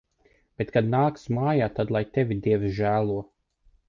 Bet kad nāks mājā, tad lai tevi Dievs žēlo.